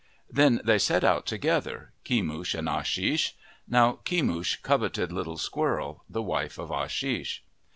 Then they set out together, Kemush and Ashish. Now Kemush coveted Little Squirrel, the wife of Ashish.